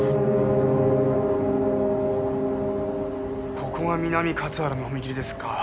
ここが南勝原の踏切ですか。